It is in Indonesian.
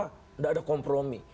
tidak ada kompromi